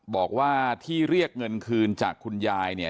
บอกว่าที่เรียกเงินคืนจากคุณยายเนี่ย